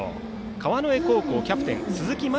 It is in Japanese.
川之江高校キャプテン鈴木愛